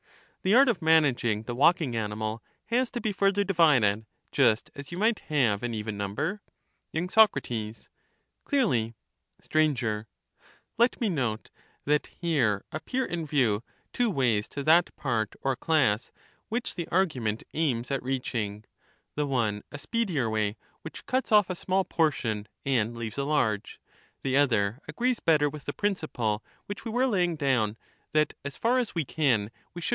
The art of managing the walking animal has to be further divided, just as you might halve an even number. y. Soc. Clearly. 265 Sir. Let me note that here appear in view two ways to At this that part or class which the argument aims at reaching, — ^*"\!Jf the one a speedier way, which cuts off a small portion and dther a leaves a large ; the other agrees better with the principle ^^^^ which we were laying down, that as far as we can we should way.